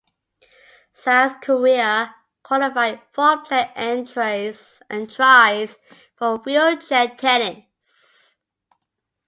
South Korea qualified four player entries for wheelchair tennis.